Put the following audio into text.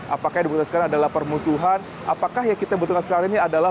apakah yang dibutuhkan sekarang adalah permusuhan apakah yang kita butuhkan sekarang ini adalah